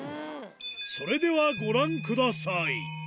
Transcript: それではご覧ください